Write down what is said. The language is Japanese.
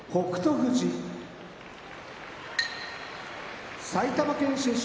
富士埼玉県出身